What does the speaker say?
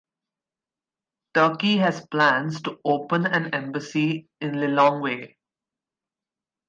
Turkey has plans to open an embassy in Lilongwe.